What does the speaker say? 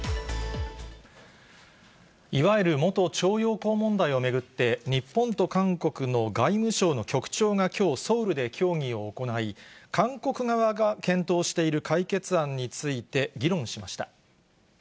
いわゆる元徴用工問題を巡って、日本と韓国の外務省の局長がきょう、ソウルで協議を行い、韓国側が検討している解決案について、議論しました。